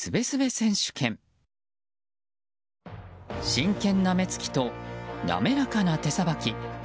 真剣な目つきとなめらかな手さばき。